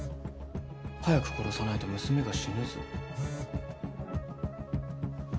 「早く殺さないと娘が死ぬぞ」。